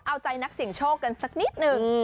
เอาใจนักเสี่ยงโชคกันสักนิดหนึ่ง